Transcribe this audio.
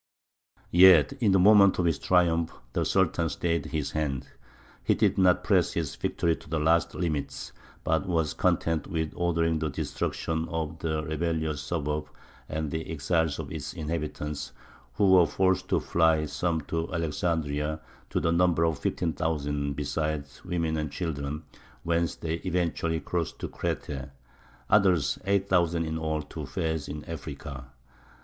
Yet in the moment of his triumph the Sultan stayed his hand; he did not press his victory to the last limits, but was content with ordering the destruction of the rebellious suburb and the exile of its inhabitants, who were forced to fly, some to Alexandria, to the number of fifteen thousand, besides women and children, whence they eventually crossed to Crete; others, eight thousand in all, to Fez, in Africa.